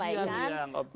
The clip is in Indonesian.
kajian yang objek